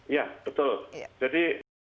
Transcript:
iya betul jadi